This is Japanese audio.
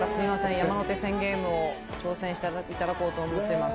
山手線ゲームを挑戦していただこうと思います。